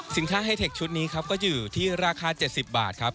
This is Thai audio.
ไฮเทคชุดนี้ครับก็อยู่ที่ราคา๗๐บาทครับ